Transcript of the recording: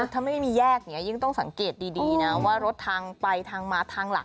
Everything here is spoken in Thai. ถ้าไม่มีแยกเนี่ยยิ่งต้องสังเกตดีนะว่ารถทางไปทางมาทางหลัก